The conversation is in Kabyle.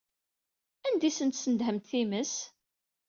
Anda ay asen-tesnedḥemt times?